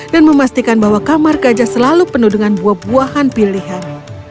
dan memastikan bahwa kamar gajah selalu penuh dengan buah buahan pilihan